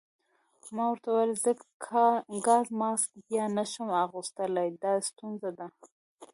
ما ورته وویل: ضد ګاز ماسک بیا نه شم اغوستلای، دا ستونزه ده.